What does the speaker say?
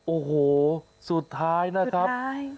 โอ้โหสุดท้ายนะครับ